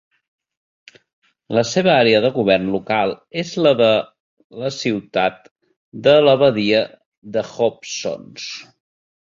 La seva àrea de govern local és la de la ciutat de la badia de Hobsons.